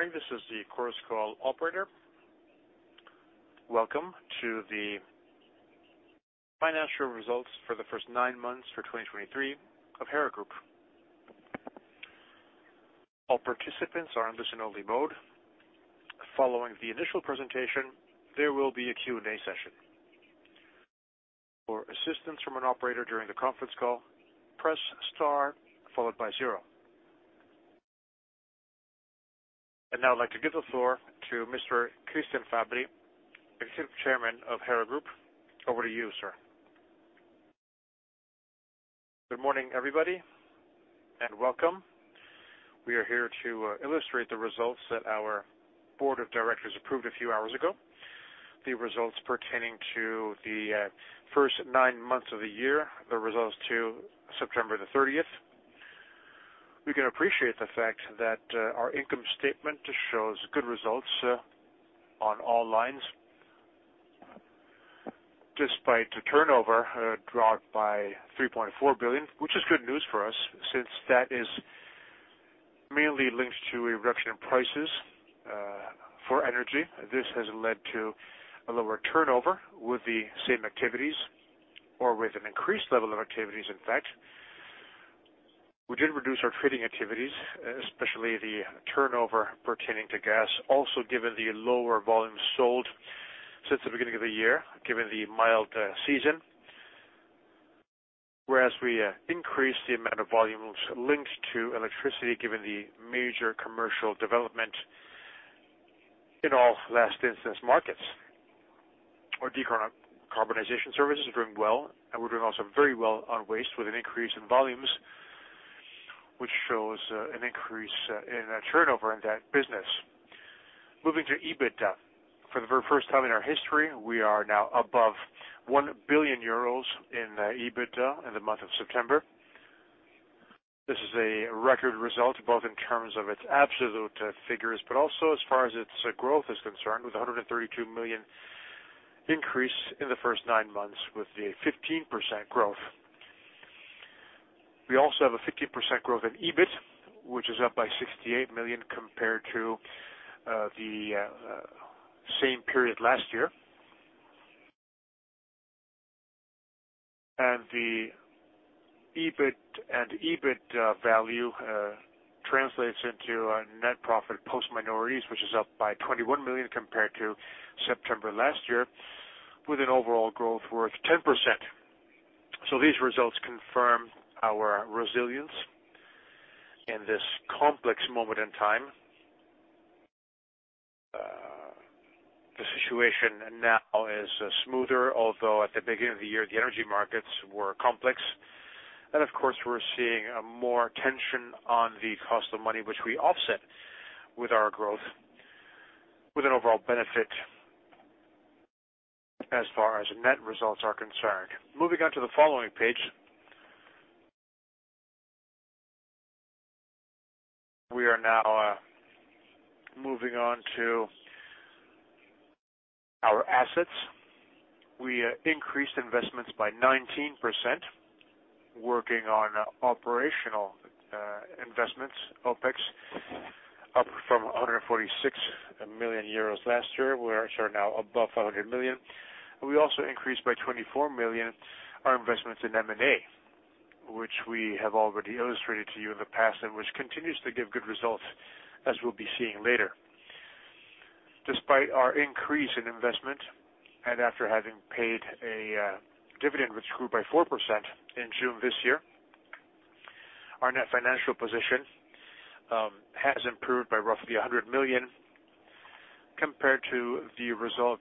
Good morning. This is the Chorus Call operator. Welcome to the financial results for the first nine months for 2023 of Hera Group. All participants are in listen-only mode. Following the initial presentation, there will be a Q and A session. For assistance from an operator during the conference call, press star followed by zero. And now I'd like to give the floor to Mr. Cristian Fabbri, Executive Chairman of Hera Group. Over to you, sir. Good morning, everybody, and welcome. We are here to illustrate the results that our board of directors approved a few hours ago. The results pertaining to the first nine months of the year, the results to September 30. We can appreciate the fact that our income statement shows good results on all lines. Despite the turnover dropped by 3.4 billion, which is good news for us, since that is mainly linked to a reduction in prices for energy. This has led to a lower turnover with the same activities or with an increased level of activities, in fact. We did reduce our trading activities, especially the turnover pertaining to gas, also given the lower volumes sold since the beginning of the year, given the mild season. Whereas we increased the amount of volumes linked to electricity, given the major commercial development in all Last Instance Markets. Our decarbonization services are doing well, and we're doing also very well on waste, with an increase in volumes, which shows an increase in turnover in that business. Moving to EBITDA. For the very first time in our history, we are now above 1 billion euros in EBITDA in the month of September. This is a record result, both in terms of its absolute figures, but also as far as its growth is concerned, with a 132 million increase in the first nine months, with a 15% growth. We also have a 15% growth in EBIT, which is up by 68 million compared to the same period last year. And the EBIT and EBIT value translates into a net profit post minorities, which is up by 21 million compared to September last year, with an overall growth worth 10%. So these results confirm our resilience in this complex moment in time. The situation now is smoother, although at the beginning of the year, the energy markets were complex. Of course, we're seeing more tension on the cost of money, which we offset with our growth, with an overall benefit as far as net results are concerned. Moving on to the following page. We are now moving on to our assets. We increased investments by 19%, working on operational investments, OpEx, up from 146 million euros last year, which are now above 100 million. We also increased by 24 million our investments in M&A, which we have already illustrated to you in the past and which continues to give good results, as we'll be seeing later. Despite our increase in investment, and after having paid a dividend, which grew by 4% in June this year, our net financial position has improved by roughly 100 million compared to the result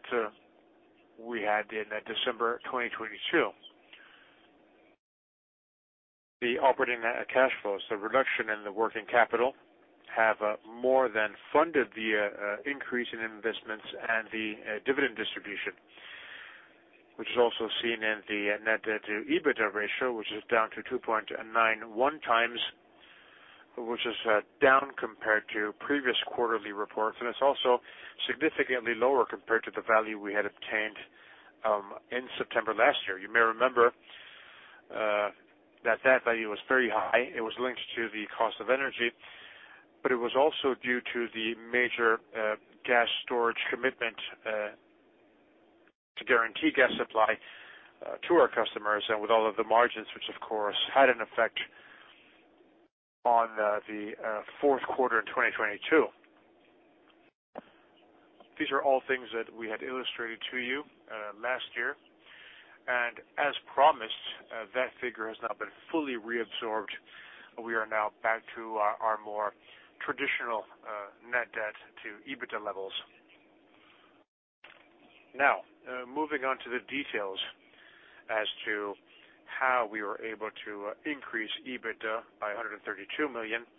we had in December 2022. The operating cash flows, the reduction in the working capital, have more than funded the increase in investments and the dividend distribution, which is also seen in the net debt to EBITDA ratio, which is down to 2.91 times, which is down compared to previous quarterly reports, and it's also significantly lower compared to the value we had obtained in September last year. You may remember that that value was very high. It was linked to the cost of energy, but it was also due to the major gas storage commitment to guarantee gas supply to our customers, and with all of the margins, which, of course, had an effect on the fourth quarter in 2022. These are all things that we had illustrated to you last year, and as promised, that figure has now been fully reabsorbed. We are now back to our more traditional net debt to EBITDA levels. Now, moving on to the details as to how we were able to increase EBITDA by 132 million.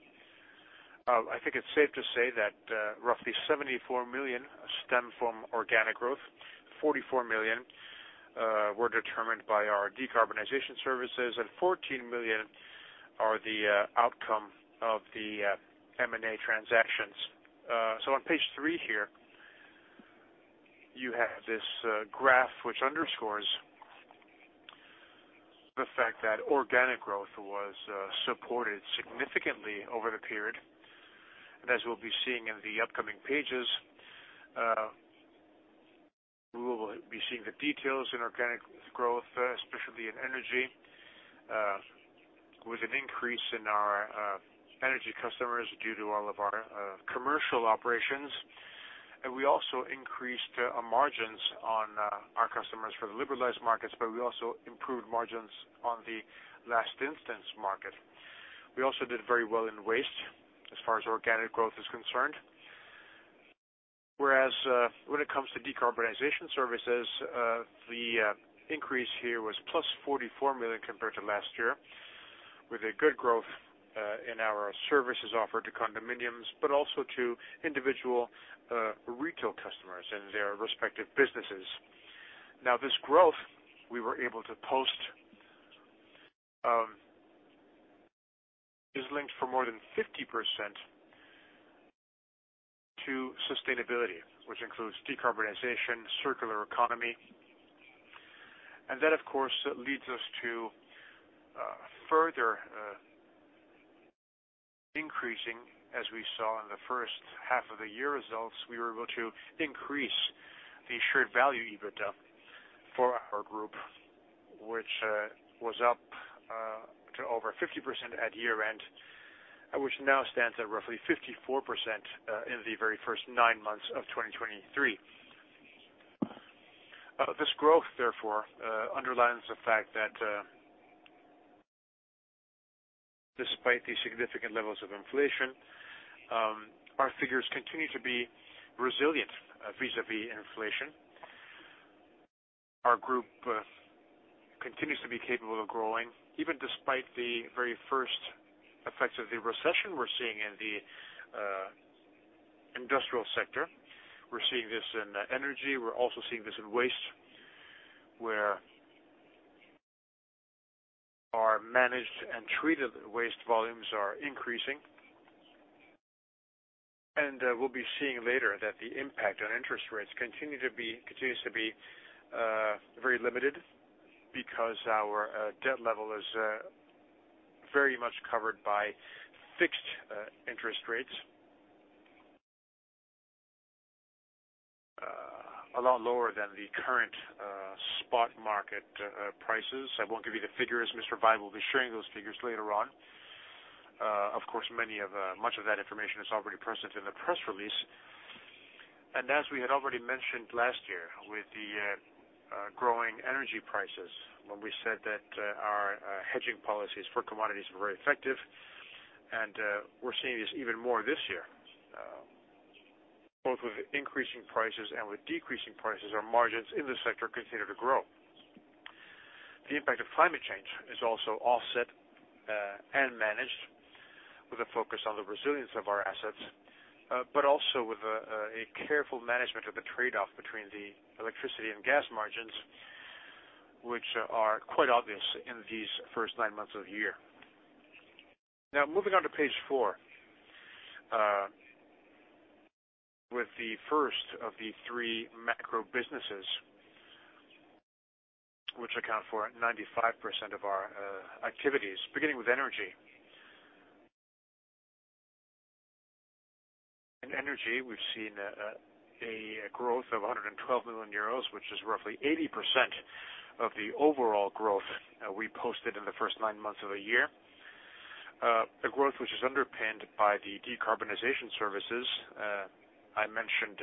I think it's safe to say that roughly 74 million stem from organic growth, 44 million were determined by our decarbonization services, and 14 million are the outcome of the M&A transactions. So on page three here, you have this graph, which underscores the fact that organic growth was supported significantly over the period. As we'll be seeing in the upcoming pages, we will be seeing the details in organic growth, especially in energy, with an increase in our energy customers due to all of our commercial operations. We also increased margins on our customers for the liberalized markets, but we also improved margins on the Last Instance Market. We also did very well in waste as far as organic growth is concerned. Whereas, when it comes to decarbonization services, the increase here was +44 million compared to last year, with a good growth in our services offered to condominiums, but also to individual retail customers and their respective businesses. Now, this growth we were able to post is linked for more than 50% to sustainability, which includes decarbonization, circular economy. And that, of course, leads us to further increasing, as we saw in the first half of the year results, we were able to increase the shared value EBITDA for our group, which was up to over 50% at year-end, and which now stands at roughly 54% in the very first nine months of 2023. This growth, therefore, underlines the fact that despite the significant levels of inflation, our figures continue to be resilient vis-à-vis inflation. Our group continues to be capable of growing, even despite the very first effects of the recession we're seeing in the industrial sector. We're seeing this in energy. We're also seeing this in waste, where our managed and treated waste volumes are increasing. And we'll be seeing later that the impact on interest rates continues to be very limited because our debt level is very much covered by fixed interest rates a lot lower than the current spot market prices. I won't give you the figures. Mr. Valli will be sharing those figures later on. Of course, much of that information is already present in the press release. And as we had already mentioned last year, with the growing energy prices, when we said that our hedging policies for commodities were very effective, and we're seeing this even more this year. Both with increasing prices and with decreasing prices, our margins in this sector continue to grow. The impact of climate change is also offset and managed with a focus on the resilience of our assets, but also with a careful management of the trade-off between the electricity and gas margins, which are quite obvious in these first nine months of the year. Now, moving on to page four, with the first of the three macro businesses, which account for 95% of our activities, beginning with energy. In energy, we've seen a growth of 112 million euros, which is roughly 80% of the overall growth we posted in the first nine months of the year. A growth which is underpinned by the decarbonization services I mentioned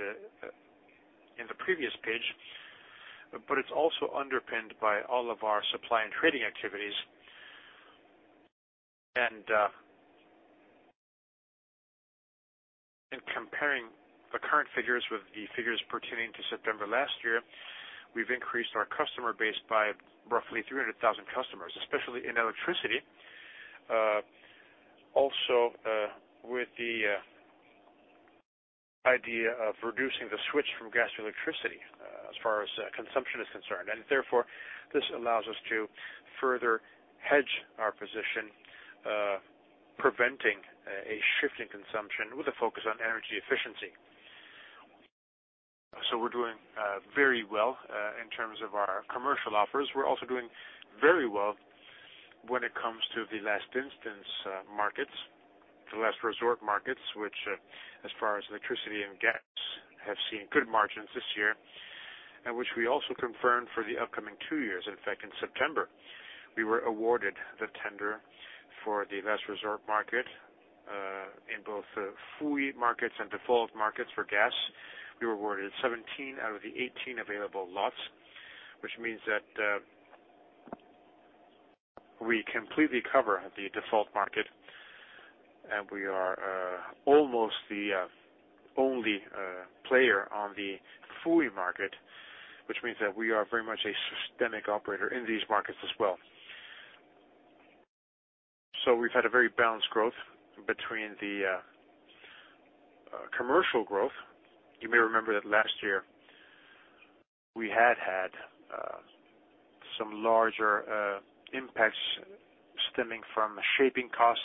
in the previous page, but it's also underpinned by all of our supply and trading activities. In comparing the current figures with the figures pertaining to September last year, we've increased our customer base by roughly 300,000 customers, especially in electricity. Also, with the idea of reducing the switch from gas to electricity, as far as consumption is concerned, and therefore, this allows us to further hedge our position, preventing a shift in consumption with a focus on energy efficiency. So we're doing very well in terms of our commercial offers. We're also doing very well when it comes to the Last Instance Markets, the Last Resort Markets, which, as far as electricity and gas, have seen good margins this year, and which we also confirmed for the upcoming two years. In fact, in September, we were awarded the tender for the Last Resort Market in both the free markets and Default Market for gas. We were awarded 17 out of the 18 available lots, which means that we completely cover the Default Market, and we are almost the only player on the free market, which means that we are very much a systemic operator in these markets as well. So we've had a very balanced growth between the commercial growth. You may remember that last year, we had had some larger impacts stemming from shaping costs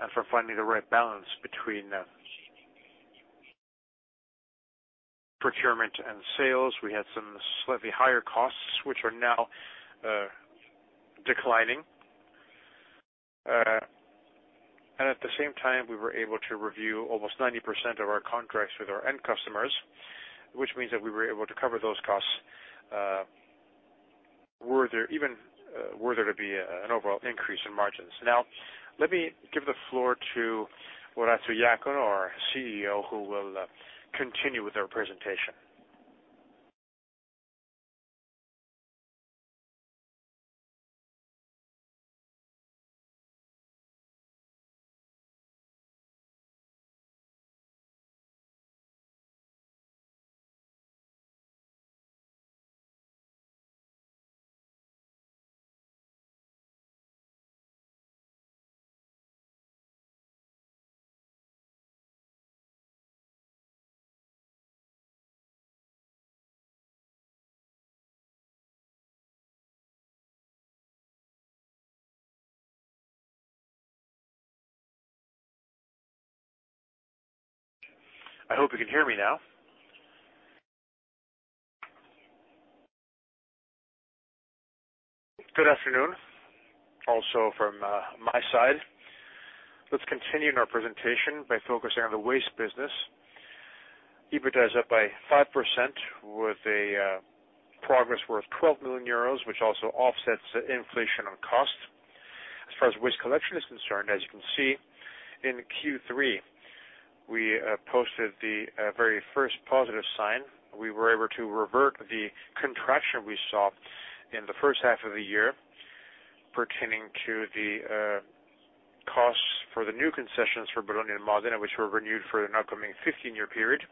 and from finding the right balance between procurement and sales; we had some slightly higher costs, which are now declining. And at the same time, we were able to review almost 90% of our contracts with our end customers, which means that we were able to cover those costs, were there even to be an overall increase in margins. Now, let me give the floor to Orazio Iacono, our CEO, who will continue with our presentation. I hope you can hear me now. Good afternoon, also from my side. Let's continue in our presentation by focusing on the waste business. EBITDA is up by 5% with a progress worth 12 million euros, which also offsets the inflation on cost. As far as waste collection is concerned, as you can see, in Q3, we posted the very first positive sign. We were able to revert the contraction we saw in the first half of the year pertaining to the costs for the new concessions for Bologna and Modena, which were renewed for an upcoming 15-year period,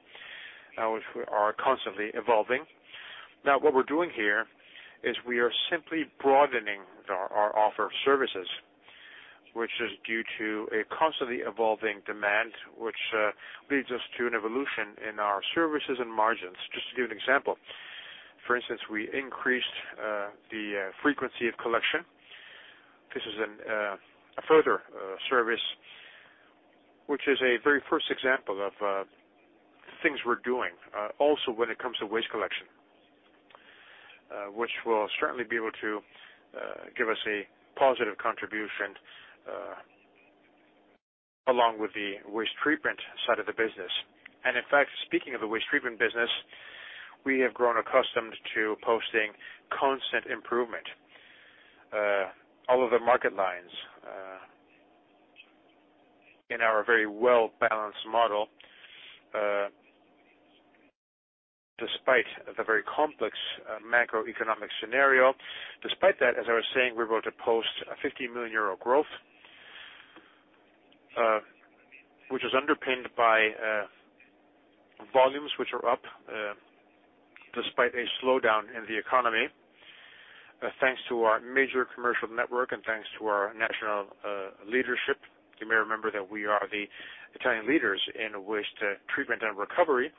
which we are constantly evolving. Now, what we're doing here is we are simply broadening our offer of services, which is due to a constantly evolving demand, which leads us to an evolution in our services and margins. Just to give an example, for instance, we increased the frequency of collection. This is a further service, which is a very first example of things we're doing, also when it comes to waste collection. Which will certainly be able to give us a positive contribution, along with the waste treatment side of the business. In fact, speaking of the waste treatment business, we have grown accustomed to posting constant improvement, all of the market lines, in our very well-balanced model, despite the very complex, macroeconomic scenario. Despite that, as I was saying, we're going to post a 50 million euro growth, which is underpinned by, volumes which are up, despite a slowdown in the economy, thanks to our major commercial network and thanks to our national leadership. You may remember that we are the Italian leaders in waste treatment and recovery.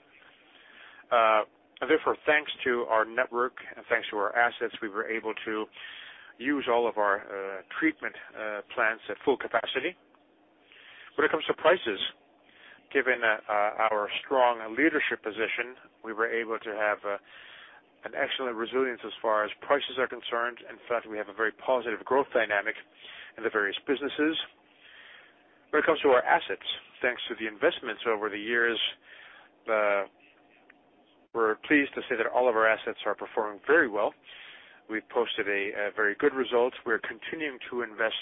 Therefore, thanks to our network and thanks to our assets, we were able to use all of our treatment plants at full capacity. When it comes to prices, given our strong leadership position, we were able to have an excellent resilience as far as prices are concerned. In fact, we have a very positive growth dynamic in the various businesses. When it comes to our assets, thanks to the investments over the years, we're pleased to say that all of our assets are performing very well. We posted a very good result. We're continuing to invest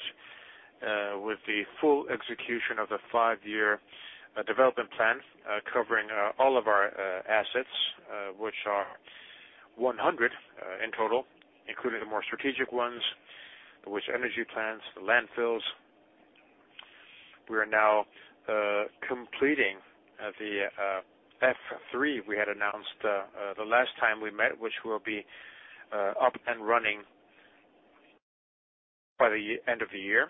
with the full execution of the five-year development plan covering all of our assets which are 100 in total, including the more strategic ones, the waste-to-energy plants, the landfills. We are now completing the F3 we had announced the last time we met, which will be up and running by the end of the year.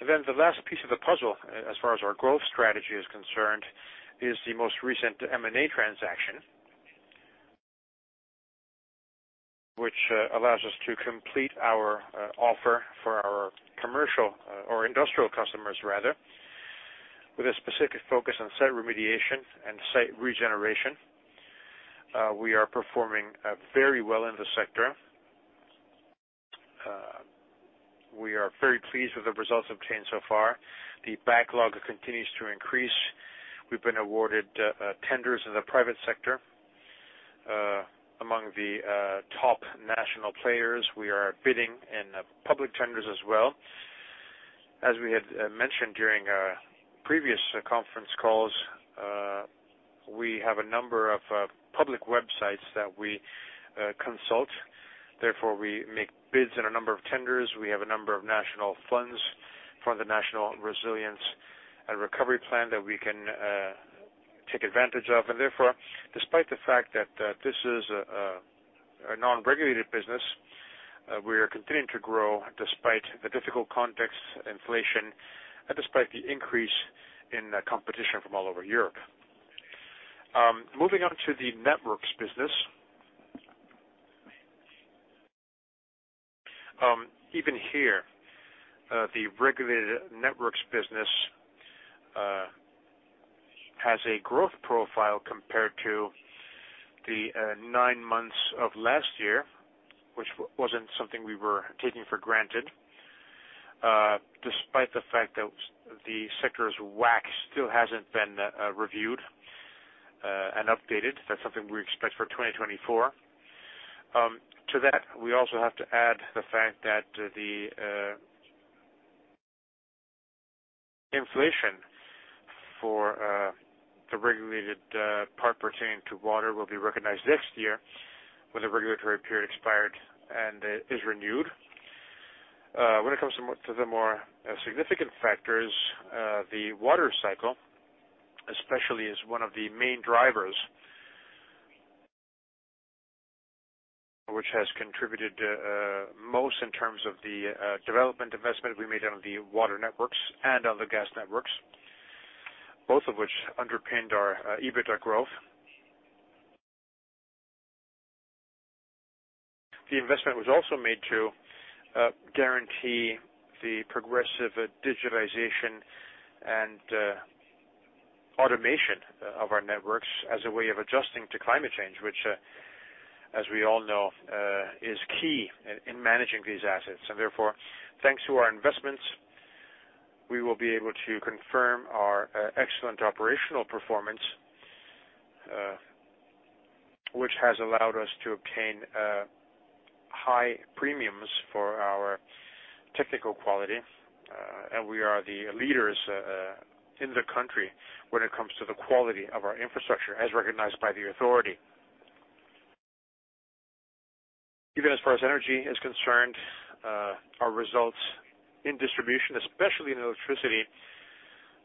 And then the last piece of the puzzle, as far as our growth strategy is concerned, is the most recent M&A transaction, which allows us to complete our offer for our commercial or industrial customers, rather, with a specific focus on site remediation and site regeneration. We are performing very well in the sector. We are very pleased with the results obtained so far. The backlog continues to increase. We've been awarded tenders in the private sector, among the top national players. We are bidding in public tenders as well. As we had mentioned during our previous conference calls, we have a number of public websites that we consult. Therefore, we make bids in a number of tenders. We have a number of national funds for the National Recovery and Resilience Plan that we can take advantage of. And therefore, despite the fact that this is a non-regulated business, we are continuing to grow despite the difficult context, inflation, and despite the increase in the competition from all over Europe. Moving on to the networks business, the regulated networks business has a growth profile compared to the nine months of last year, which wasn't something we were taking for granted. Despite the fact that the sector's WACC still hasn't been reviewed and updated, that's something we expect for 2024. To that, we also have to add the fact that the inflation for the regulated part pertaining to water will be recognized next year when the regulatory period expired and is renewed. When it comes to the more significant factors, the water cycle, especially, is one of the main drivers which has contributed most in terms of the development investment we made on the water networks and on the gas networks, both of which underpinned our EBITDA growth. The investment was also made to guarantee the progressive digitization and automation of our networks as a way of adjusting to climate change, which, as we all know, is key in managing these assets. And therefore, thanks to our investments, we will be able to confirm our excellent operational performance, which has allowed us to obtain high premiums for our technical quality. And we are the leaders in the country when it comes to the quality of our infrastructure, as recognized by the authority. Even as far as energy is concerned, our results in distribution, especially in electricity,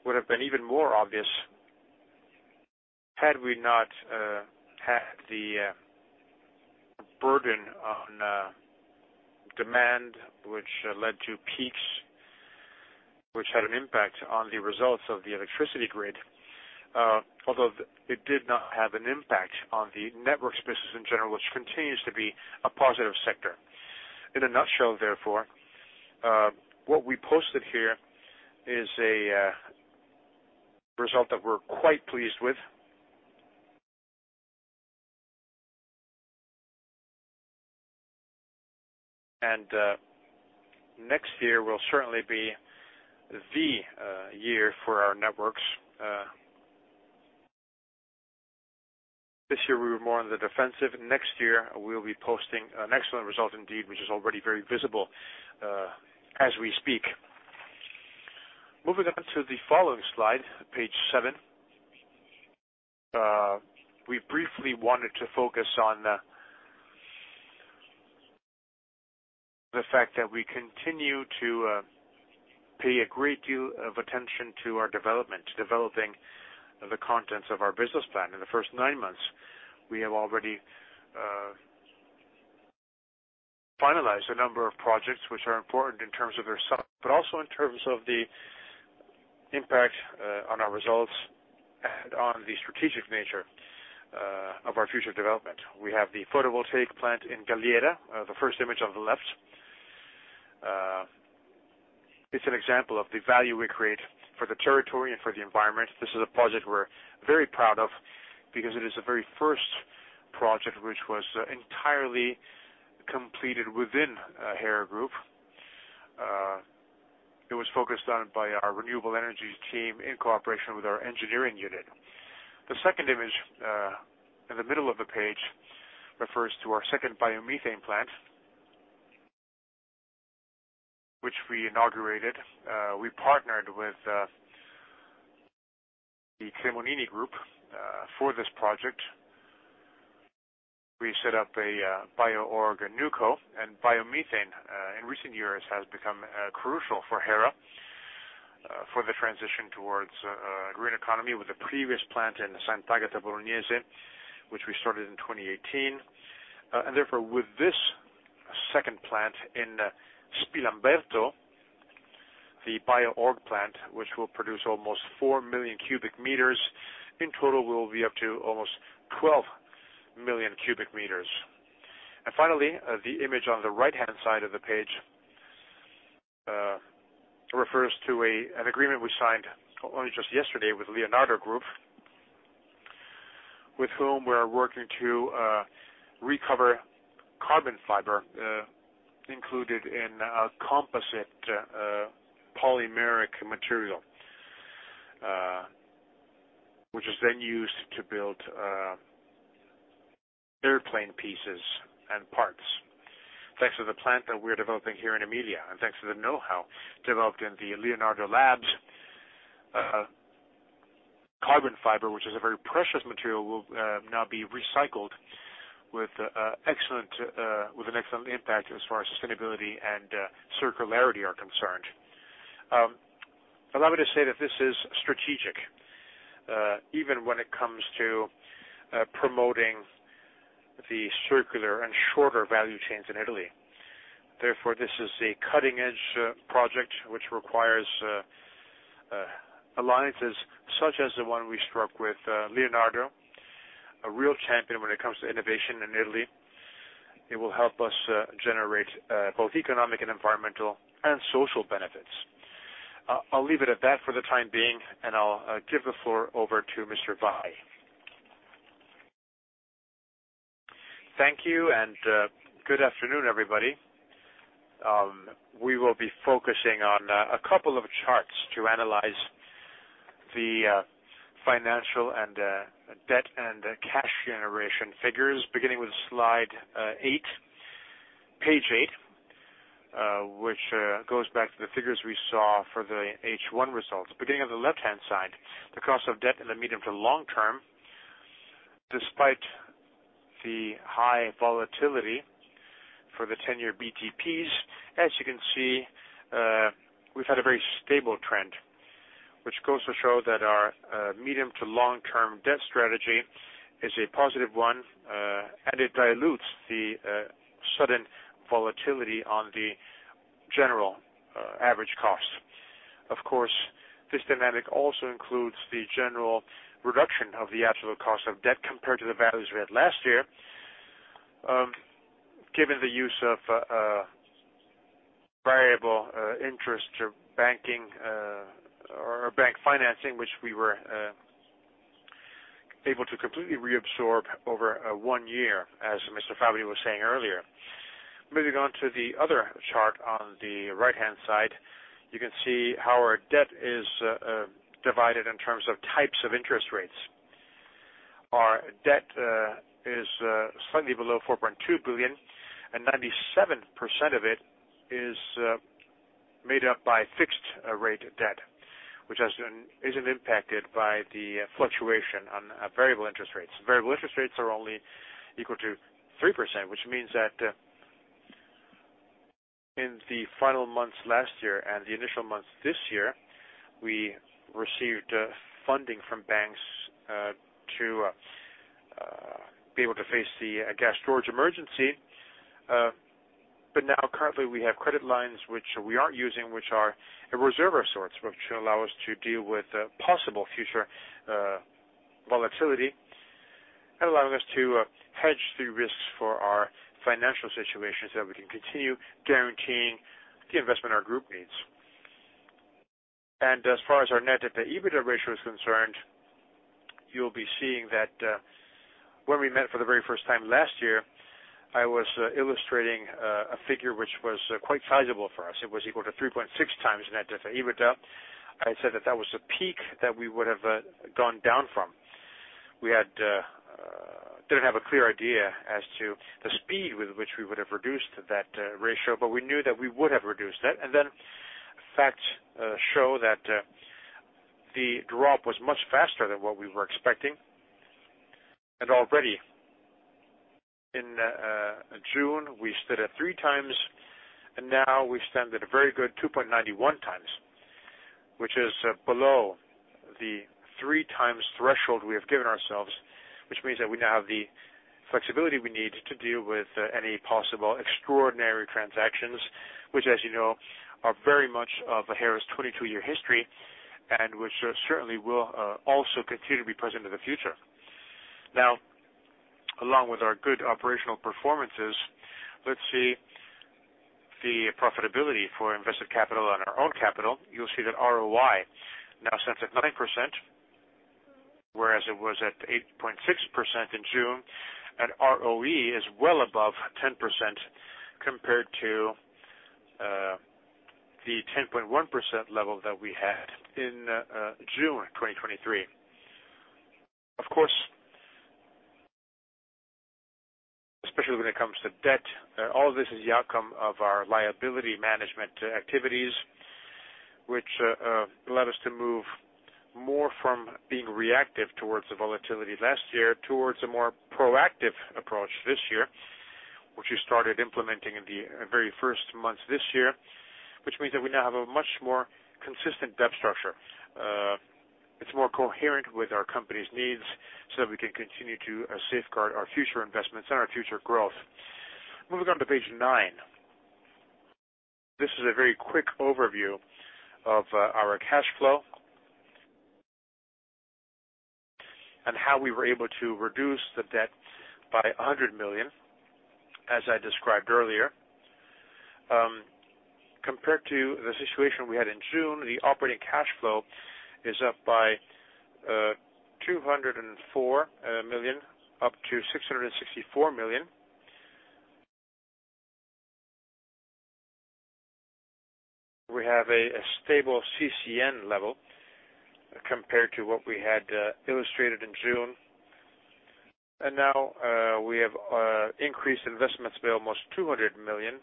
would have been even more obvious had we not had the burden on demand, which led to peaks, which had an impact on the results of the electricity grid. Although it did not have an impact on the network spaces in general, which continues to be a positive sector. In a nutshell, therefore, what we posted here is a result that we're quite pleased with. Next year will certainly be the year for our networks. This year, we were more on the defensive. Next year, we'll be posting an excellent result indeed, which is already very visible, as we speak. Moving on to the following slide, page seven. We briefly wanted to focus on the fact that we continue to pay a great deal of attention to our development, to developing the contents of our business plan. In the first nine months, we have already finalized a number of projects which are important in terms of their size, but also in terms of the impact on our results and on the strategic nature of our future development. We have the photovoltaic plant in Galliera, the first image on the left. It's an example of the value we create for the territory and for the environment. This is a project we're very proud of because it is the very first project which was entirely completed within Hera Group. It was focused on by our renewable energy team in cooperation with our engineering unit. The second image in the middle of the page refers to our second biomethane plant, which we inaugurated. We partnered with the Cremonini Group for this project. We set up a NewCo Biorg, and biomethane in recent years has become crucial for Hera for the transition towards green economy with the previous plant in Sant'Agata Bolognese, which we started in 2018. And therefore, with this second plant in Spilamberto, the Biorg plant, which will produce almost 4 million cubic meters, in total, will be up to almost 12 million cubic meters. And finally, the image on the right-hand side of the page refers to an agreement we signed only just yesterday with Leonardo Group, with whom we are working to recover carbon fiber included in a composite polymeric material, which is then used to build airplane pieces and parts. Thanks to the plant that we're developing here in Emilia, and thanks to the know-how developed in the Leonardo Labs, carbon fiber, which is a very precious material, will now be recycled with an excellent impact as far as sustainability and circularity are concerned. Allow me to say that this is strategic even when it comes to promoting the circular and shorter value chains in Italy. Therefore, this is a cutting-edge project, which requires alliances such as the one we struck with Leonardo, a real champion when it comes to innovation in Italy. It will help us generate both economic and environmental and social benefits. I, I'll leave it at that for the time being, and I'll give the floor over to Mr. Valli. Thank you, and, good afternoon, everybody. We will be focusing on a couple of charts to analyze the financial and debt and cash generation figures, beginning with slide eight, page eight, which goes back to the figures we saw for the H1 results. Beginning on the left-hand side, the cost of debt in the medium to long term, despite the high volatility for the ten-year BTPs, as you can see, we've had a very stable trend, which goes to show that our medium to long-term debt strategy is a positive one, and it dilutes the sudden volatility on the general average cost. Of course, this dynamic also includes the general reduction of the absolute cost of debt compared to the values we had last year. Given the use of variable interest or bank financing, which we were able to completely reabsorb over one year, as Mr. Fabbri was saying earlier. Moving on to the other chart on the right-hand side, you can see how our debt is divided in terms of types of interest rates. Our debt is slightly below 4.2 billion, and 97% of it is made up by fixed rate debt, which isn't impacted by the fluctuation on variable interest rates. Variable interest rates are only equal to 3%, which means that in the final months last year and the initial months this year, we received funding from banks to be able to face the gas storage emergency. But now, currently, we have credit lines which we aren't using, which are a reserve of sorts, which allow us to deal with possible future volatility, and allowing us to hedge the risks for our financial situation so that we can continue guaranteeing the investment our group needs. And as far as our net debt to EBITDA ratio is concerned, you'll be seeing that when we met for the very first time last year, I was illustrating a figure which was quite sizable for us. It was equal to 3.6 times net debt to EBITDA. I said that that was a peak that we would have gone down from. We had didn't have a clear idea as to the speed with which we would have reduced that ratio, but we knew that we would have reduced it. Facts show that the drop was much faster than what we were expecting. Already in June, we stood at 3 times, and now we stand at a very good 2.91 times, which is below the 3 times threshold we have given ourselves, which means that we now have the flexibility we need to deal with any possible extraordinary transactions, which, as you know, are very much of Hera's 22-year history, and which certainly will also continue to be present in the future. Now, along with our good operational performances, let's see the profitability for invested capital on our own capital. You'll see that ROI now sits at 9%, whereas it was at 8.6% in June, and ROE is well above 10% compared to the 10.1% level that we had in June 2023. Of course, especially when it comes to debt, all of this is the outcome of our liability management activities, which allowed us to move more from being reactive towards the volatility last year towards a more proactive approach this year, which we started implementing in the very first months this year, which means that we now have a much more consistent debt structure. It's more coherent with our company's needs so that we can continue to safeguard our future investments and our future growth. Moving on to page nine. This is a very quick overview of our cash flow. How we were able to reduce the debt by 100 million, as I described earlier. Compared to the situation we had in June, the operating cash flow is up by 204 million, up to 664 million. We have a stable CCN level compared to what we had illustrated in June. And now, we have increased investments by almost 200 million.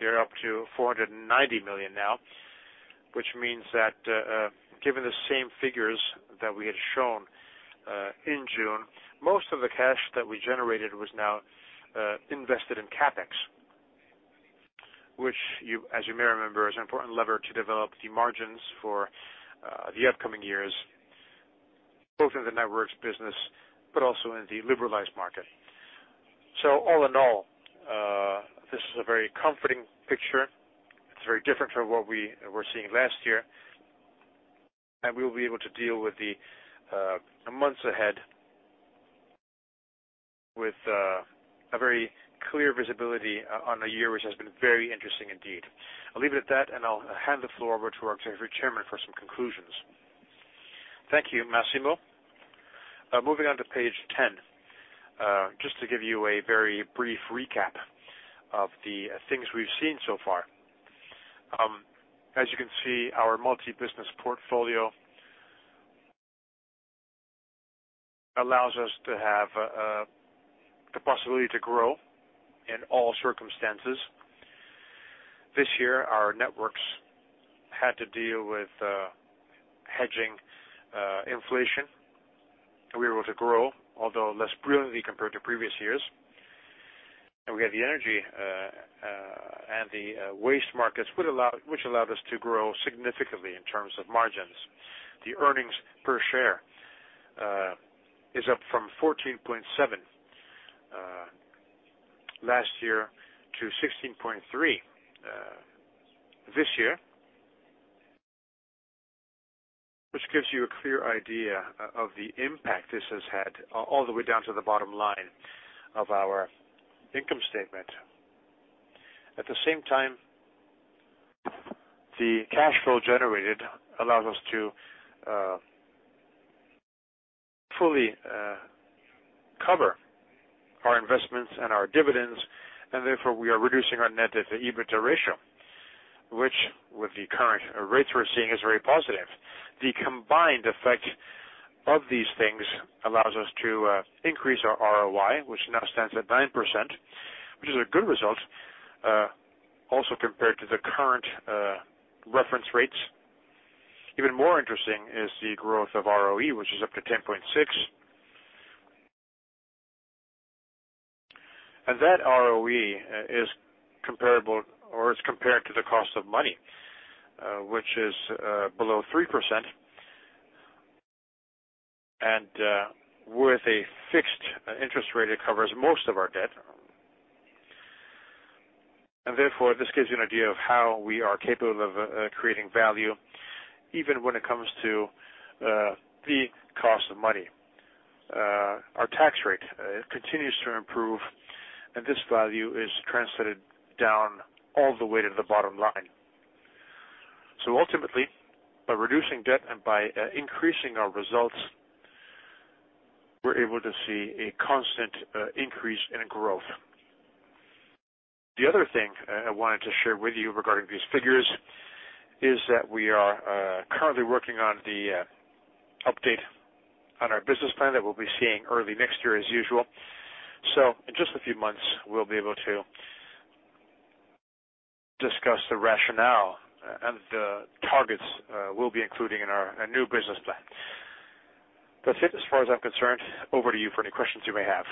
They're up to 490 million now, which means that, given the same figures that we had shown in June, most of the cash that we generated was now invested in CapEx, which you, as you may remember, is an important lever to develop the margins for the upcoming years, both in the networks business, but also in the liberalized market. So all in all, this is a very comforting picture. It's very different from what we were seeing last year, and we will be able to deal with the months ahead with a very clear visibility on a year, which has been very interesting indeed. I'll leave it at that, and I'll hand the floor over to our chairman for some conclusions. Thank you, Massimo. Moving on to page 10, just to give you a very brief recap of the things we've seen so far. As you can see, our multi-business portfolio allows us to have the possibility to grow in all circumstances. This year, our networks had to deal with hedging, inflation, and we were able to grow, although less brilliantly compared to previous years. We had the energy and the waste markets would allow, which allowed us to grow significantly in terms of margins. The earnings per share is up from 14.7 last year to 16.3 this year, which gives you a clear idea of the impact this has had all the way down to the bottom line of our income statement. At the same time, the cash flow generated allows us to fully cover our investments and our dividends, and therefore, we are reducing our net debt to EBITDA ratio, which, with the current rates we're seeing, is very positive. The combined effect of these things allows us to increase our ROI, which now stands at 9%, which is a good result also compared to the current reference rates. Even more interesting is the growth of ROE, which is up to 10.6. That ROE is comparable, or is compared to the cost of money, which is below 3%, and with a fixed interest rate, it covers most of our debt. Therefore, this gives you an idea of how we are capable of creating value, even when it comes to the cost of money. Our tax rate continues to improve, and this value is translated down all the way to the bottom line. Ultimately, by reducing debt and by increasing our results, we're able to see a constant increase in growth. The other thing, I wanted to share with you regarding these figures is that we are, currently working on the, update on our business plan that we'll be seeing early next year, as usual. So in just a few months, we'll be able to discuss the rationale and the targets, we'll be including in our, our new business plan. That's it, as far as I'm concerned. Over to you for any questions you may have.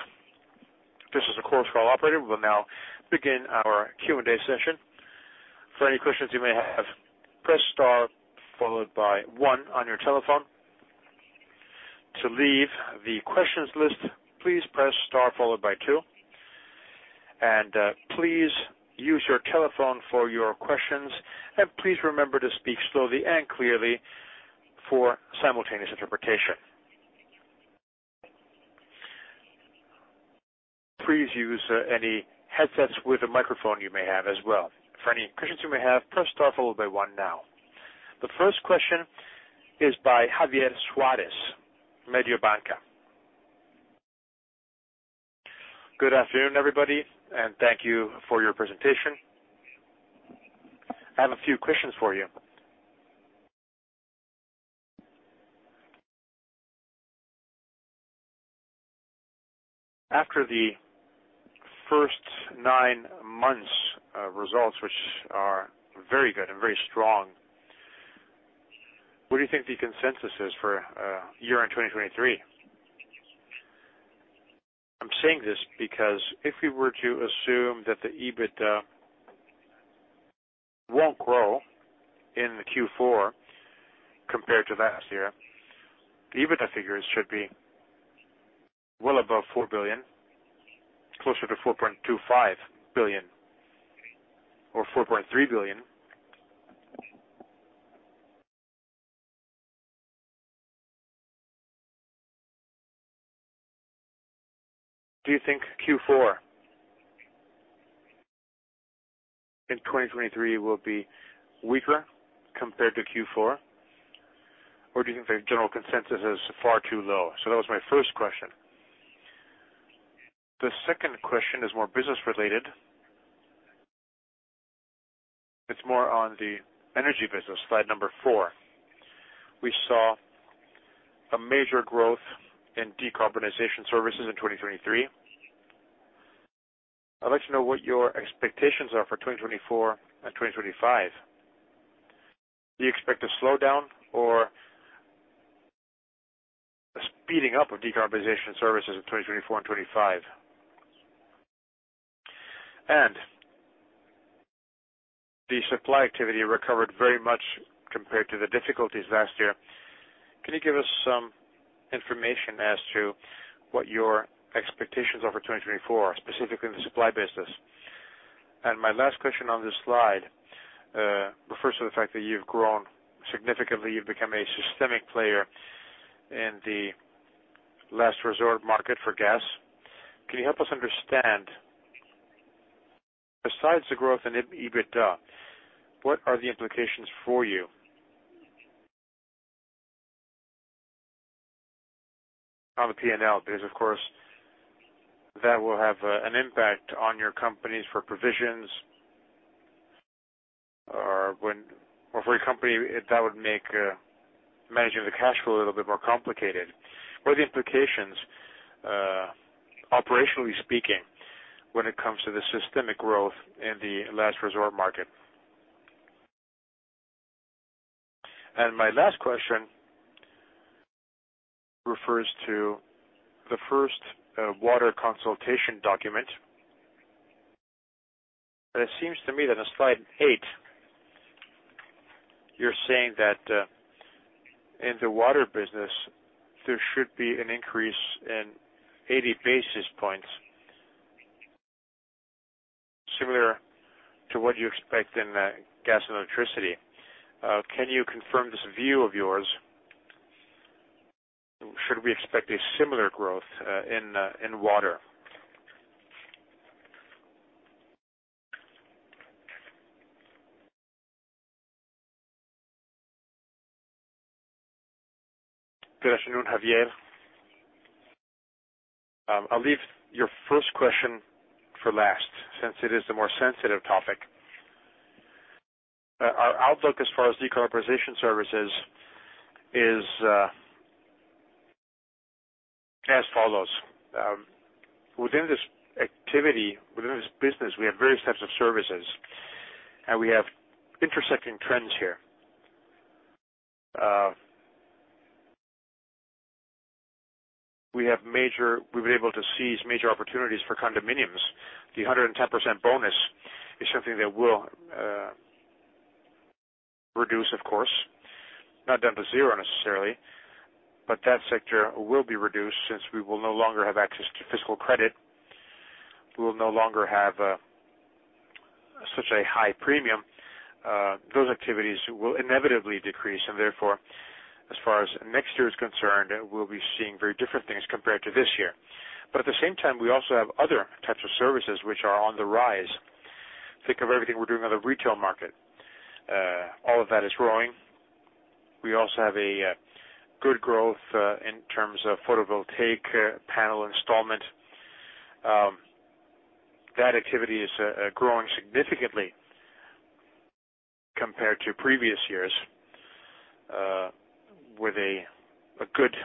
This is a call operator. We will now begin our Q and A session. For any questions you may have, press star followed by one on your telephone. To leave the questions list, please press star followed by two. And, please use your telephone for your questions, and please remember to speak slowly and clearly for simultaneous interpretation. Please use, any headsets with a microphone you may have as well. For any questions you may have, press star followed by one now. The first question is by Javier Suárez, Mediobanca. Good afternoon, everybody, and thank you for your presentation. I have a few questions for you. After the first nine months of results, which are very good and very strong, what do you think the consensus is for year-end 2023? I'm saying this because if we were to assume that the EBITDA won't grow in the Q4 compared to last year, the EBITDA figures should be well above 4 billion, closer to 4.25 billion or 4.3 billion. Do you think Q4 in 2023 will be weaker compared to Q4, or do you think the general consensus is far too low? So that was my first question. The second question is more business related. It's more on the energy business, slide number four. We saw a major growth in decarbonization services in 2023. I'd like to know what your expectations are for 2024 and 2025. Do you expect a slowdown or a speeding up of decarbonization services in 2024 and 2025? And the supply activity recovered very much compared to the difficulties last year. Can you give us some information as to what your expectations are for 2024, specifically in the supply business? And my last question on this slide refers to the fact that you've grown significantly. You've become a systemic player in the Last Resort Market for gas. Can you help us understand, besides the growth in EBITDA, what are the implications for you? On the P&L, because, of course, that will have an impact on your companies for provisions, or for a company, that would make managing the cash flow a little bit more complicated. What are the implications, operationally speaking, when it comes to the systemic growth in the Last Resort Market? And my last question refers to the first water consultation document. But it seems to me that on slide eight, you're saying that in the water business, there should be an increase in 80 basis points, similar to what you expect in gas and electricity. Can you confirm this view of yours? Should we expect a similar growth in water? Good afternoon, Javier. I'll leave your first question for last, since it is the more sensitive topic. Our outlook as far as decarbonization services is as follows. Within this activity, within this business, we have various types of services, and we have intersecting trends here. We've been able to seize major opportunities for condominiums. The 110% bonus is something that will reduce, of course, not down to zero necessarily, but that sector will be reduced since we will no longer have access to fiscal credit. We will no longer have such a high premium. Those activities will inevitably decrease, and therefore, as far as next year is concerned, we'll be seeing very different things compared to this year. But at the same time, we also have other types of services which are on the rise. Think of everything we're doing on the retail market. All of that is growing. We also have a good growth in terms of photovoltaic panel installation. That activity is growing significantly compared to previous years with a good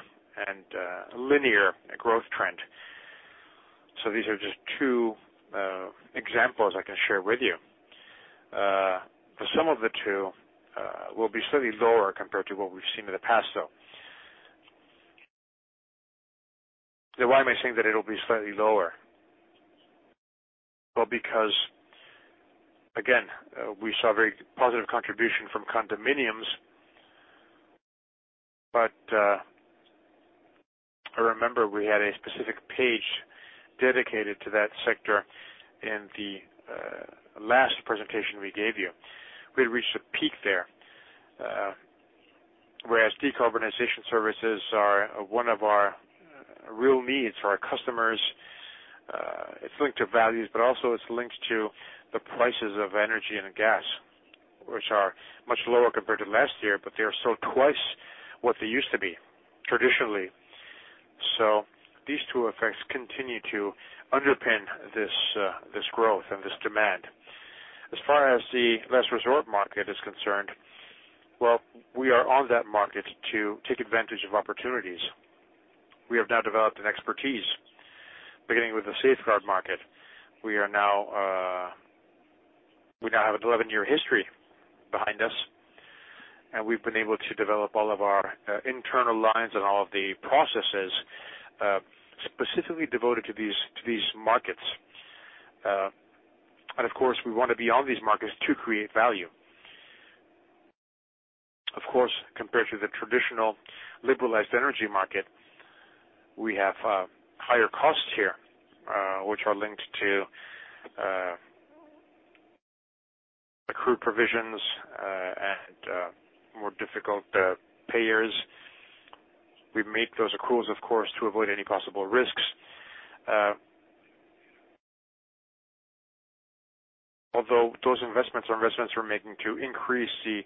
and linear growth trend. So these are just two examples I can share with you. The sum of the two will be slightly lower compared to what we've seen in the past, though. Now, why am I saying that it'll be slightly lower? Well, because, again, we saw very positive contribution from condominiums, but I remember we had a specific page dedicated to that sector in the last presentation we gave you. We reached a peak there, whereas decarbonization services are one of our real needs for our customers. It's linked to values, but also it's linked to the prices of energy and gas, which are much lower compared to last year, but they are still twice what they used to be traditionally. So these two effects continue to underpin this, this growth and this demand. As far as the Last Resort Market is concerned, well, we are on that market to take advantage of opportunities. We have now developed an expertise, beginning with the Safeguard Market. We are now, we now have an 11-year history behind us, and we've been able to develop all of our, internal lines and all of the processes, specifically devoted to these, to these markets. And of course, we want to be on these markets to create value. Of course, compared to the traditional liberalized energy market, we have higher costs here, which are linked to accrued provisions and more difficult payers. We've made those accruals, of course, to avoid any possible risks. Although those investments are investments we're making to increase the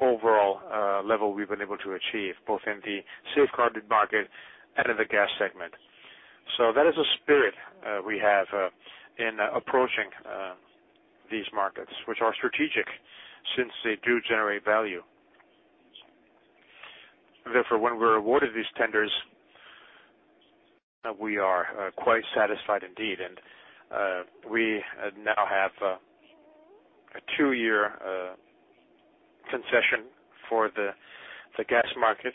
overall level we've been able to achieve, both in the Safeguard Market and in the gas segment. So that is the spirit we have in approaching these markets, which are strategic since they do generate value. Therefore, when we're awarded these tenders, we are quite satisfied indeed, and we now have a two-year concession for the gas market.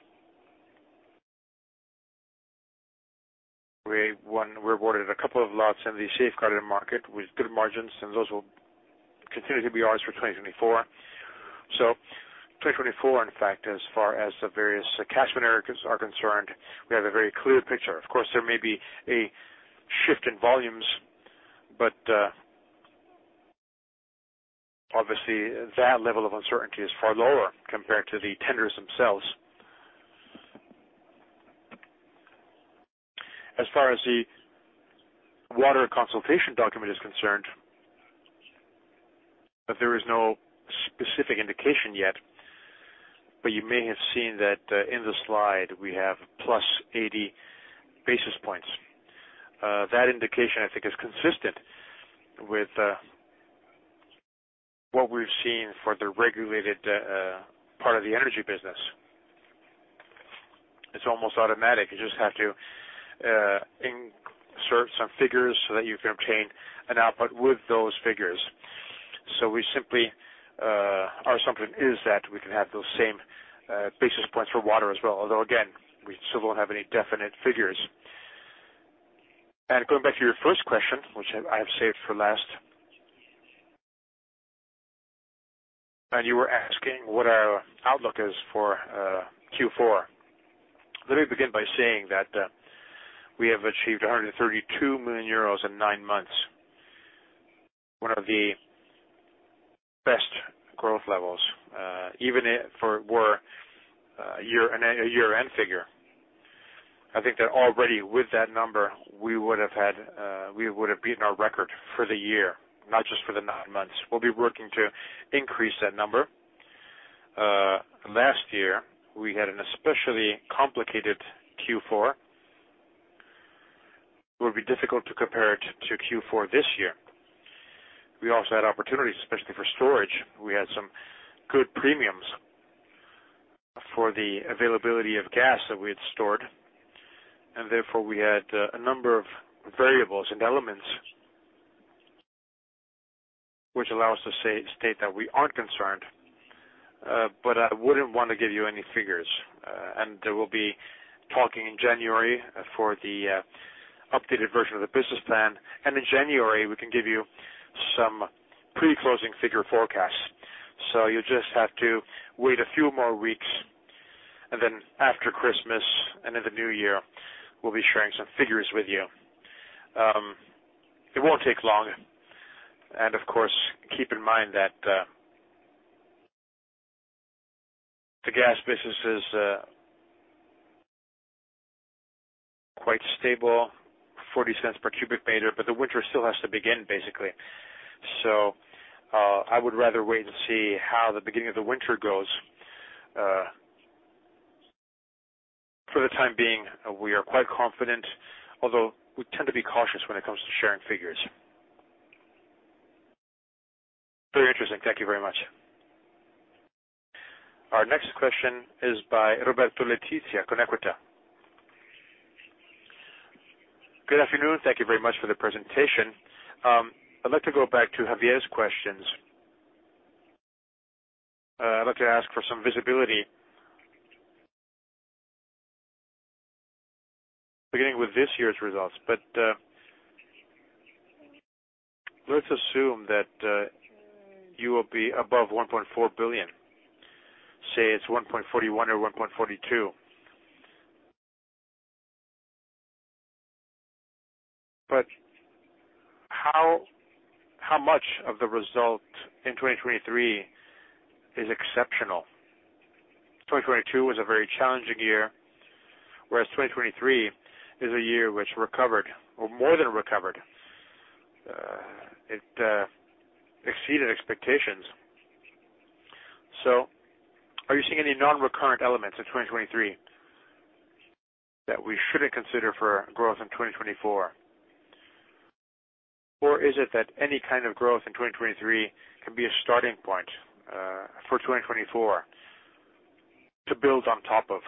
We were awarded a couple of lots in the Safeguard Market with good margins, and those will continue to be ours for 2024. 2024, in fact, as far as the various cash advances are concerned, we have a very clear picture. Of course, there may be a shift in volumes, but obviously, that level of uncertainty is far lower compared to the tenders themselves. As far as the water consultation document is concerned, but there is no specific indication yet, but you may have seen that in the slide, we have +80 basis points. That indication, I think, is consistent with what we've seen for the regulated part of the energy business. It's almost automatic. You just have to insert some figures so that you can obtain an output with those figures. So we simply our assumption is that we can have those same basis points for water as well, although again, we still don't have any definite figures. Going back to your first question, which I have saved for last, and you were asking what our outlook is for Q4. Let me begin by saying that we have achieved 132 million euros in nine months, one of the best growth levels, even if for the year, a year-end figure. I think that already with that number, we would have beaten our record for the year, not just for the nine months. We'll be working to increase that number. Last year, we had an especially complicated Q4. It will be difficult to compare it to Q4 this year. We also had opportunities, especially for storage. We had some good premiums for the availability of gas that we had stored, and therefore, we had a number of variables and elements which allow us to say, state that we aren't concerned, but I wouldn't want to give you any figures. We'll be talking in January for the updated version of the business plan. In January, we can give you some pre-closing figure forecasts. You just have to wait a few more weeks, and then after Christmas and in the new year, we'll be sharing some figures with you. It won't take long. Of course, keep in mind that the gas business is quite stable, 0.40 per cubic meter, but the winter still has to begin, basically. I would rather wait and see how the beginning of the winter goes. For the time being, we are quite confident, although we tend to be cautious when it comes to sharing figures. Very interesting. Thank you very much. Our next question is by Roberto Letizia, Equita. Good afternoon. Thank you very much for the presentation. I'd like to go back to Javier's questions. I'd like to ask for some visibility. Beginning with this year's results, but let's assume that you will be above 1.4 billion. Say, it's 1.41 billion or 1.42 billion. But how much of the result in 2023 is exceptional? 2022 was a very challenging year, whereas 2023 is a year which recovered, or more than recovered. It exceeded expectations. So are you seeing any non-recurrent elements in 2023 that we shouldn't consider for growth in 2024? Or is it that any kind of growth in 2023 can be a starting point for 2024 to build on top of?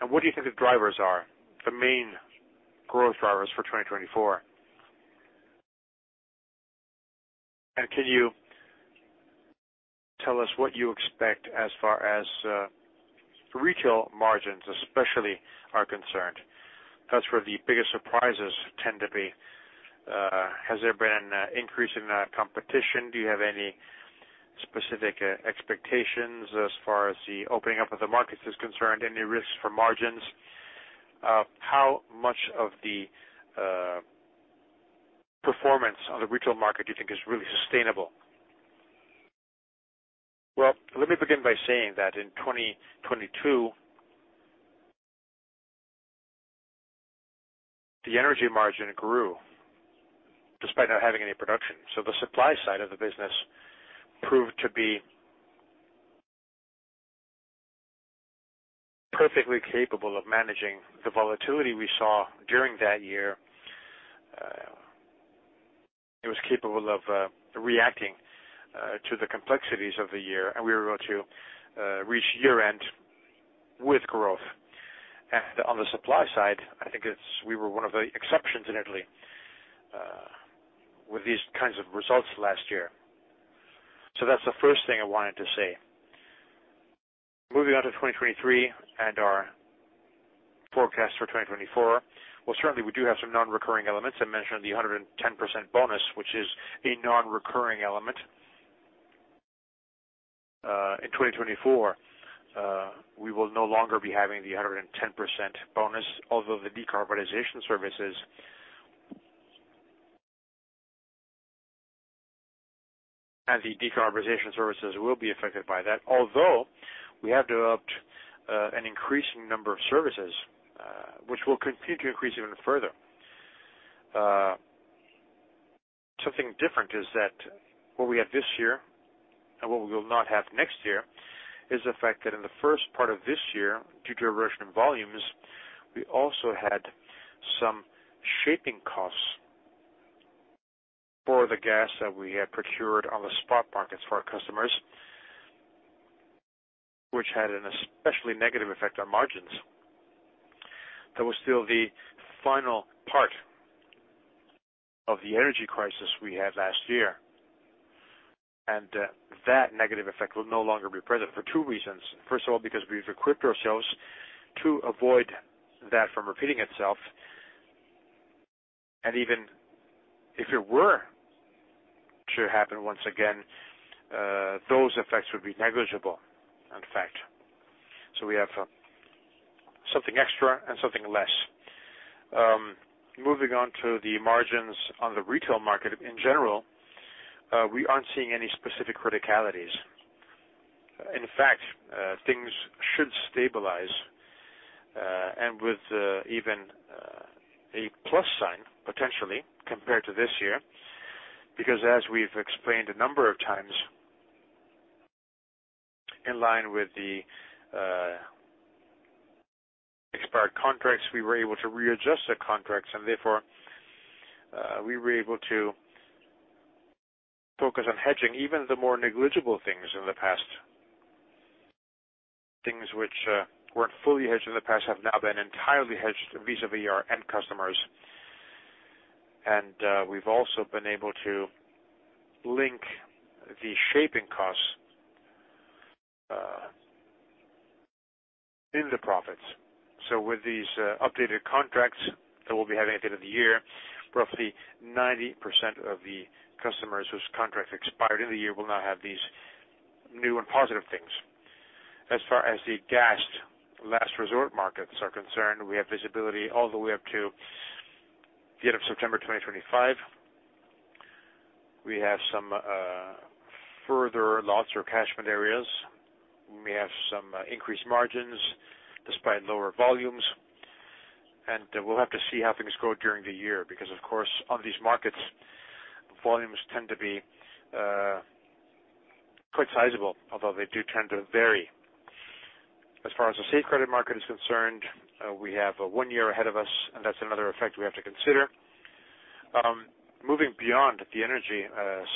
And what do you think the drivers are, the main growth drivers for 2024? Can you tell us what you expect as far as retail margins, especially, are concerned? That's where the biggest surprises tend to be. Has there been an increase in competition? Do you have any specific expectations as far as the opening up of the markets is concerned, any risks for margins? How much of the performance on the retail market do you think is really sustainable? Well, let me begin by saying that in 2022, the energy margin grew despite not having any production. So the supply side of the business proved to be perfectly capable of managing the volatility we saw during that year. It was capable of reacting to the complexities of the year, and we were able to reach year-end with growth. On the supply side, I think it's, we were one of the exceptions in Italy with these kinds of results last year. So that's the first thing I wanted to say. Moving on to 2023 and our forecast for 2024. Well, certainly, we do have some non-recurring elements. I mentioned the 110% bonus, which is a non-recurring element. In 2024, we will no longer be having the 110% bonus, although the decarbonization services - and the decarbonization services will be affected by that. Although, we have developed an increasing number of services, which will continue to increase even further. Something different is that what we have this year and what we will not have next year is the fact that in the first part of this year, due to a reduction in volumes, we also had some shaping costs for the gas that we had procured on the spot markets for our customers, which had an especially negative effect on margins. That was still the final part of the energy crisis we had last year, and that negative effect will no longer be present for two reasons. First of all, because we've equipped ourselves to avoid that from repeating itself, and even if it were to happen once again, those effects would be negligible, in fact. So we have something extra and something less. Moving on to the margins on the retail market in general, we aren't seeing any specific criticalities. In fact, things should stabilize, and with even a plus sign, potentially, compared to this year, because as we've explained a number of times, in line with the expired contracts, we were able to readjust the contracts, and therefore, we were able to focus on hedging even the more negligible things in the past. Things which weren't fully hedged in the past have now been entirely hedged vis-à-vis our end customers. And we've also been able to link the shaping costs in the profits. So with these updated contracts that we'll be having at the end of the year, roughly 90% of the customers whose contracts expired in the year will now have these new and positive things. As far as the gas last resort markets are concerned, we have visibility all the way up to the end of September 2025. We have some further lots or catchment areas. We may have some increased margins despite lower volumes, and we'll have to see how things go during the year, because, of course, on these markets, volumes tend to be quite sizable, although they do tend to vary. As far as the fiscal credit market is concerned, we have one year ahead of us, and that's another effect we have to consider. Moving beyond the energy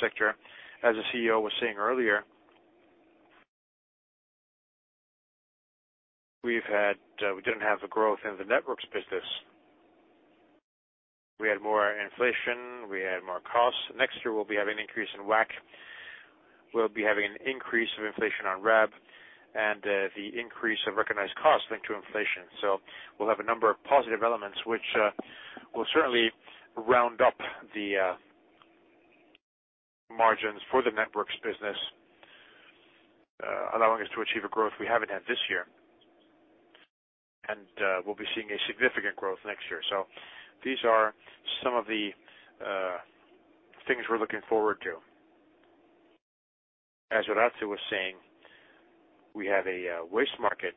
sector, as the CEO was saying earlier, we've had, we didn't have the growth in the networks business. We had more inflation, we had more costs. Next year, we'll be having an increase in WACC. We'll be having an increase of inflation on RAB and the increase of recognized costs linked to inflation. So we'll have a number of positive elements which will certainly round up the margins for the networks business, allowing us to achieve a growth we haven't had this year. And we'll be seeing a significant growth next year. So these are some of the things we're looking forward to. As Orazio was saying, we have a waste market,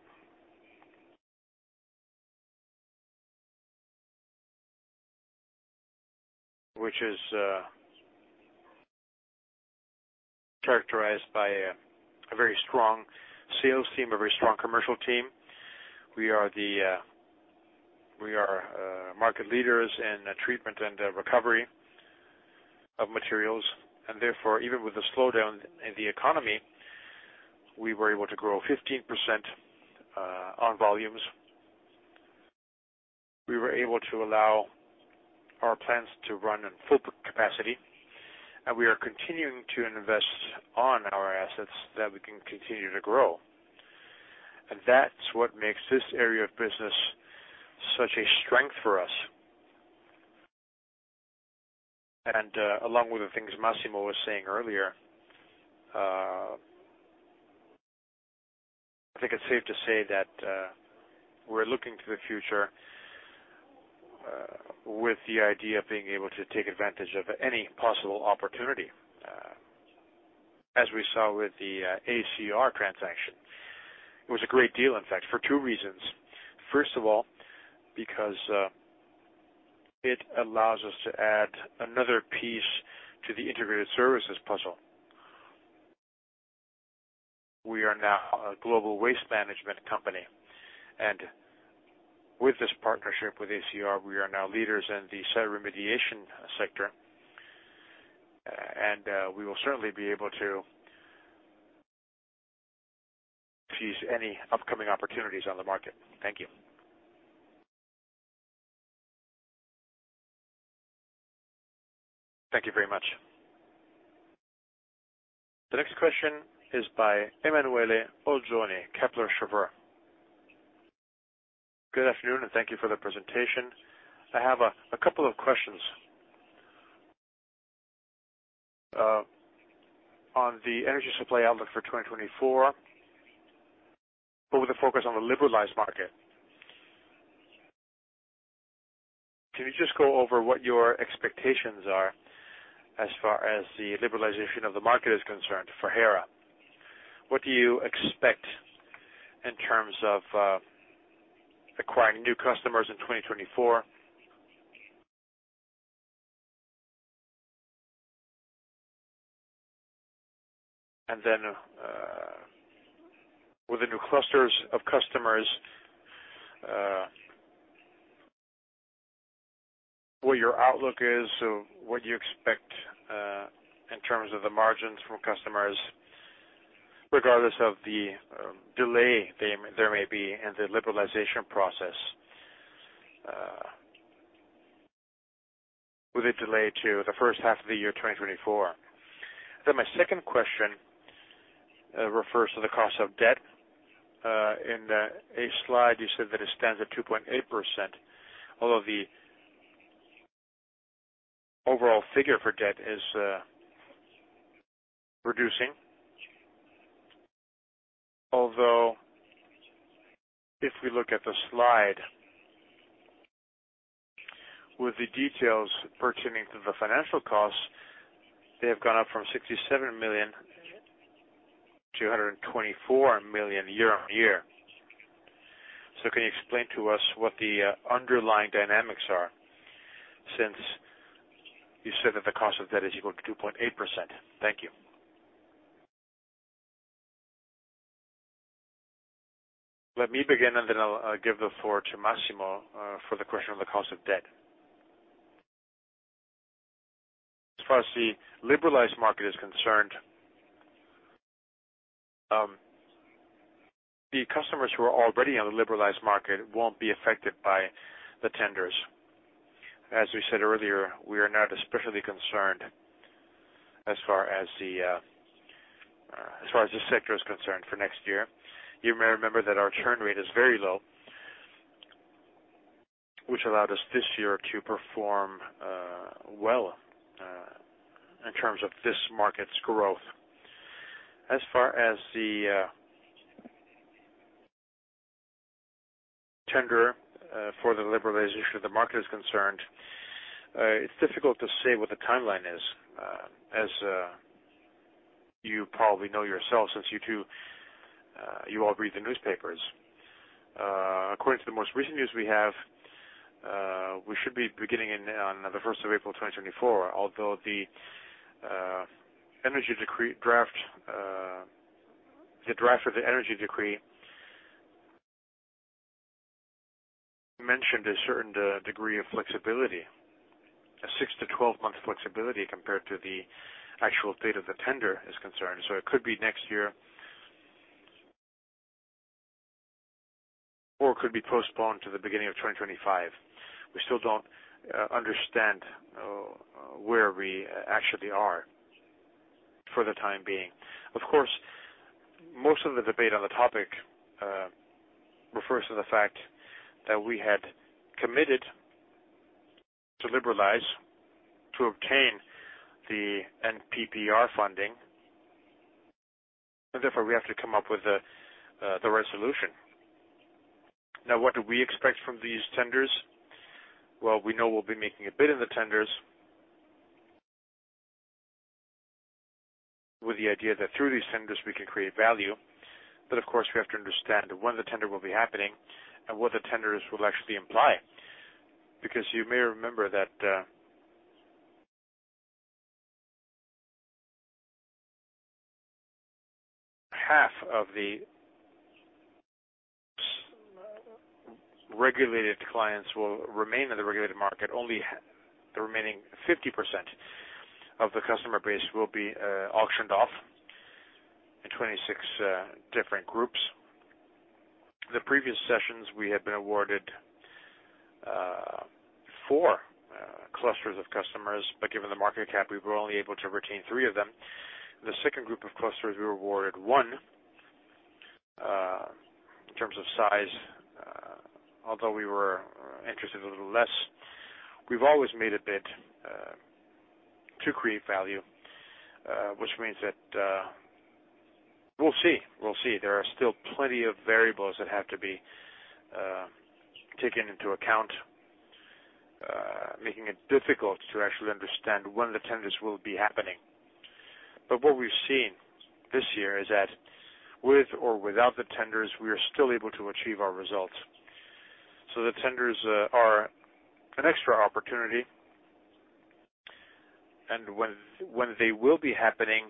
which is characterized by a very strong sales team, a very strong commercial team. We are the, we are market leaders in treatment and recovery of materials, and therefore, even with the slowdown in the economy, we were able to grow 15% on volumes. We were able to allow our plants to run on full capacity, and we are continuing to invest on our assets that we can continue to grow. That's what makes this area of business such a strength for us. Along with the things Massimo was saying earlier, I think it's safe to say that we're looking to the future with the idea of being able to take advantage of any possible opportunity, as we saw with the ACR transaction. It was a great deal, in fact, for two reasons. First of all, because it allows us to add another piece to the integrated services puzzle. We are now a global waste management company, and with this partnership with ACR, we are now leaders in the site remediation sector. We will certainly be able to seize any upcoming opportunities on the market. Thank you. Thank you very much. The next question is by Emanuele Oggioni, Kepler Cheuvreux. Good afternoon, and thank you for the presentation. I have a couple of questions on the energy supply outlook for 2024, but with a focus on the liberalized market. Can you just go over what your expectations are as far as the liberalization of the market is concerned for Hera? What do you expect in terms of acquiring new customers in 2024? And then, with the new clusters of customers, what your outlook is, so what you expect in terms of the margins from customers, regardless of the delay there may be in the liberalization process, with a delay to the first half of the year, 2024. Then my second question refers to the cost of debt. In the eighth slide, you said that it stands at 2.8%, although the overall figure for debt is reducing. Although, if we look at the slide, with the details pertaining to the financial costs, they have gone up from 67 million to 124 million year-on-year. So can you explain to us what the underlying dynamics are, since you said that the cost of debt is equal to 2.8%? Thank you. Let me begin, and then I'll give the floor to Massimo for the question on the cost of debt. As far as the liberalized market is concerned, the customers who are already on the liberalized market won't be affected by the tenders. As we said earlier, we are not especially concerned as far as the, as far as this sector is concerned for next year. You may remember that our churn rate is very low, which allowed us this year to perform, well, in terms of this market's growth. As far as the, tender, for the liberalization of the market is concerned, it's difficult to say what the timeline is. As, you probably know yourself, since you do, you all read the newspapers. According to the most recent news we have, we should be beginning in, on the first of April 2024, although the, energy decree draft, the draft of the energy decree mentioned a certain, degree of flexibility, a 6-12-month flexibility compared to the actual date of the tender is concerned. So it could be next year, or it could be postponed to the beginning of 2025. We still don't understand where we actually are for the time being. Of course, most of the debate on the topic refers to the fact that we had committed to liberalize, to obtain the NRRP funding, and therefore, we have to come up with the the right solution. Now, what do we expect from these tenders? Well, we know we'll be making a bid in the tenders, with the idea that through these tenders, we can create value. But of course, we have to understand when the tender will be happening and what the tenders will actually imply. Because you may remember that half of the regulated clients will remain in the regulated market. Only the remaining 50% of the customer base will be auctioned off in 26 different groups. The previous sessions, we had been awarded four clusters of customers, but given the market cap, we were only able to retain three of them. The second group of clusters, we were awarded one, in terms of size, although we were interested a little less. We've always made a bid to create value, which means that we'll see. We'll see. There are still plenty of variables that have to be taken into account, making it difficult to actually understand when the tenders will be happening. But what we've seen this year is that with or without the tenders, we are still able to achieve our results. So the tenders are an extra opportunity, and when they will be happening,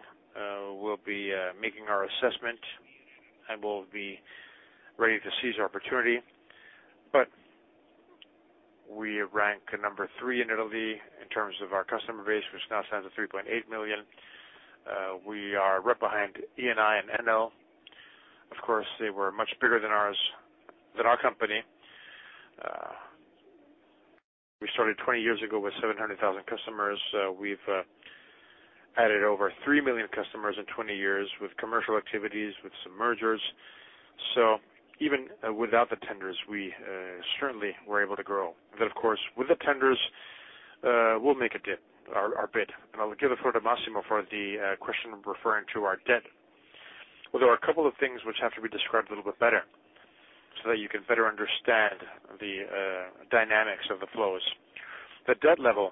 we'll be making our assessment, and we'll be ready to seize our opportunity. But we rank number three in Italy in terms of our customer base, which now stands at 3.8 million. We are right behind Enel and Eni. Of course, they were much bigger than ours, than our company. We started 20 years ago with 700,000 customers. We've added over 3 million customers in 20 years with commercial activities, with some mergers. So even without the tenders, we certainly were able to grow. But of course, with the tenders, we'll make our bid. And I'll give the floor to Massimo for the question referring to our debt. Well, there are a couple of things which have to be described a little bit better so that you can better understand the dynamics of the flows. The debt level,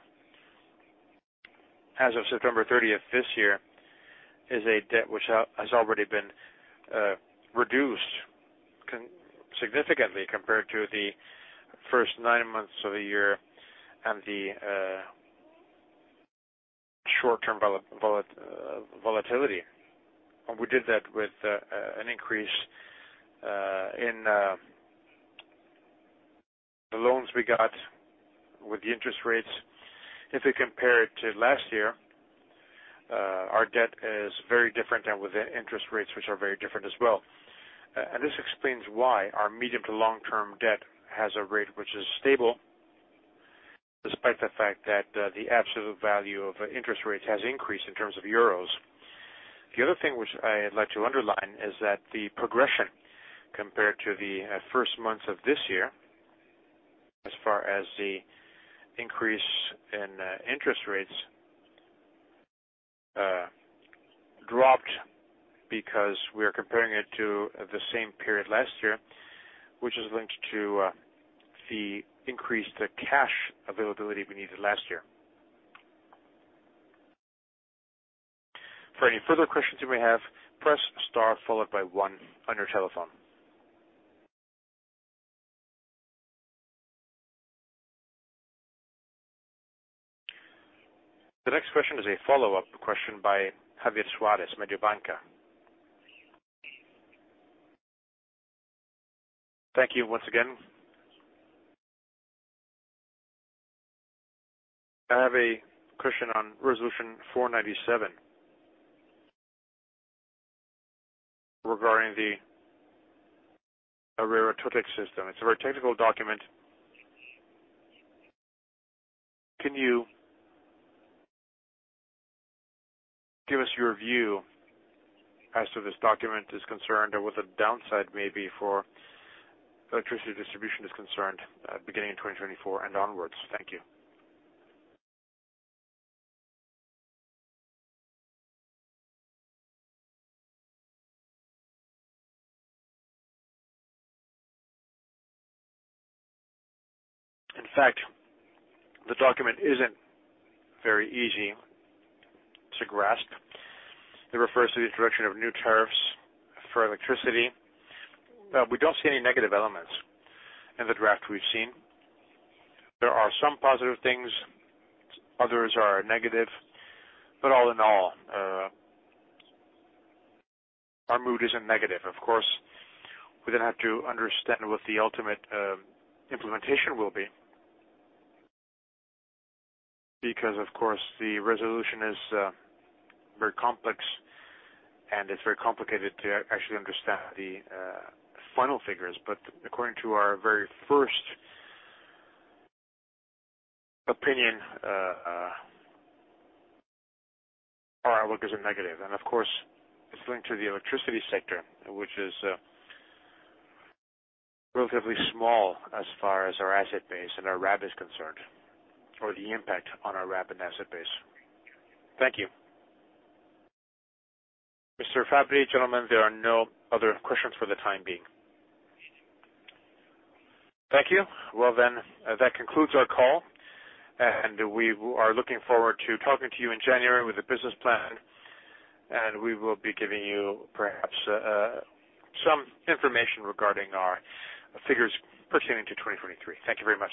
as of September 30th this year, is a debt which has already been reduced significantly compared to the first nine months of the year and the short-term volatility. And we did that with an increase in the loans we got with the interest rates. If we compare it to last year, our debt is very different, and with the interest rates, which are very different as well. And this explains why our medium to long-term debt has a rate which is stable, despite the fact that the absolute value of interest rates has increased in terms of Euros. The other thing which I'd like to underline is that the progression compared to the first months of this year, as far as the increase in interest rates, dropped because we are comparing it to the same period last year, which is linked to the increase, the cash availability we needed last year. For any further questions you may have, press star followed by one on your telephone. The next question is a follow-up question by Javier Suárez, Mediobanca. Thank you once again. I have a question on Resolution 497, regarding the ARERA ROSS system. It's a very technical document. Can you give us your view as to this document is concerned, and what the downside may be for electricity distribution is concerned, beginning in 2024 and onwards? Thank you. In fact, the document isn't very easy to grasp. It refers to the introduction of new tariffs for electricity. We don't see any negative elements in the draft we've seen. There are some positive things, others are negative, but all in all, our mood isn't negative. Of course, we then have to understand what the ultimate implementation will be. Because, of course, the resolution is very complex, and it's very complicated to actually understand the final figures. But according to our very first opinion, our outlook isn't negative. And of course, it's linked to the electricity sector, which is relatively small as far as our asset base and our RAB is concerned, or the impact on our RAB and asset base. Thank you. Mr. Fabbri, gentlemen, there are no other questions for the time being. Thank you. Well, then, that concludes our call, and we are looking forward to talking to you in January with the business plan, and we will be giving you perhaps some information regarding our figures pertaining to 2023. Thank you very much.